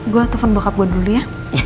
gue telfon bokap gue dulu ya